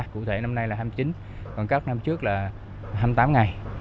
cụ thể năm nay là hai mươi chín còn các năm trước là hai mươi tám ngày